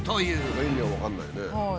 意味が分かんないね。